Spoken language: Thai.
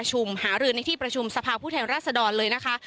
หารือในที่ประชุมสภาพผู้แทนรัศดรเลยนะคะ